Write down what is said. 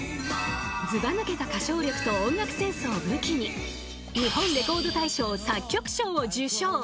［ずばぬけた歌唱力と音楽センスを武器に日本レコード大賞作曲賞を受賞］